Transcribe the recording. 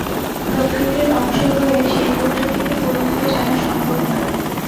প্রকৃতির অংশ হয়ে সেই প্রকৃতিকে পুরোপুরি জানা সম্ভব নয়।